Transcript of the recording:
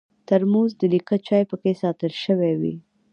ترموز د نیکه چای پکې ساتل شوی وي.